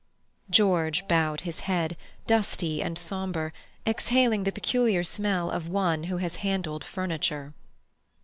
George bowed his head, dusty and sombre, exhaling the peculiar smell of one who has handled furniture.